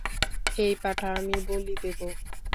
এই পাঁঠা আমি বলি দেবো!